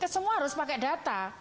saya harus pakai data